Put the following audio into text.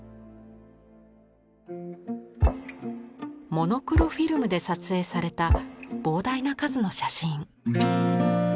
モノクロフィルムで撮影された膨大な数の写真。